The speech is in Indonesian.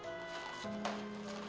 badan masih ada kwak